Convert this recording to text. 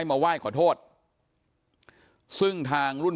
ผมมีโพสต์นึงครับว่า